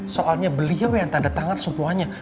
soalnya beliau yang tanda tangan sebuah perusahaan